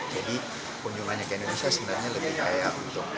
jadi kunjungannya ke indonesia sebenarnya lebih kaya untuk dia